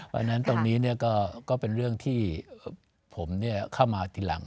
เพราะฉะนั้นตรงนี้ก็เป็นเรื่องที่ผมเข้ามาทีหลัง